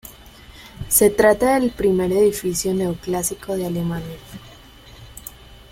Se trata del primer edificio neoclásico de Alemania.